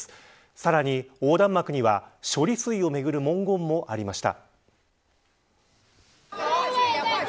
さらに、横断幕には処理水にめぐる文言もありました。